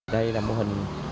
đây là mô hình